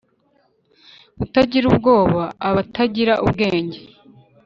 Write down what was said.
Utagira ubwoba aba atagra ubwenge.